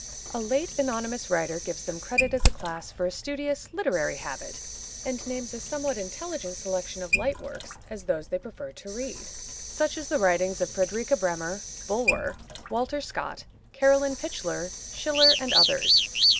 A late anonymous writer gives them credit as a class for a studious, literary habit, and names a somewhat intelligent selection of light works as those they prefer to read, such as the writings of Fredrika Bremer, Bulwer, Walter Scott, Caroline Pichler, Schiller, and others.